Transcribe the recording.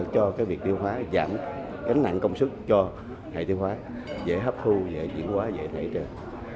cho cái việc tiêu hóa giảm gánh nặng công sức cho hệ tiêu hóa dễ hấp thu dễ diễn hóa dễ nảy trên